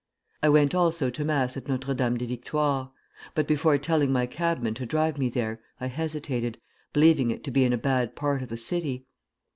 I went also to mass at Notre Dame des Victoires; but before telling my cabman to drive me there, I hesitated, believing it to be in a bad part of the city.